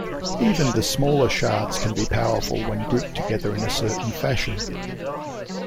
Even the smaller shards can be powerful when grouped together in a certain fashion.